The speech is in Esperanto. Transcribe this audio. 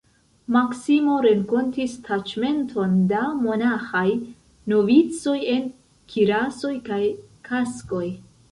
Maksimo renkontis taĉmenton da monaĥaj novicoj en kirasoj kaj kaskoj.